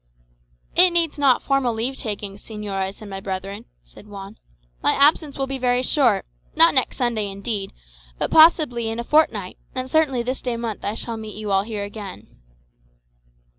"It needs not formal leave takings, señores and my brethren," said Juan; "my absence will be very short; not next Sunday indeed, but possibly in a fortnight, and certainly this day month I shall meet you all here again."